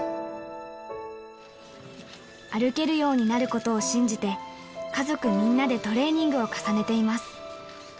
歩けるようになることを信じて、家族みんなでトレーニングを重ねています。